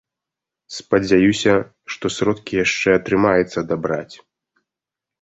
Спадзяюся, што сродкі яшчэ атрымаецца дабраць.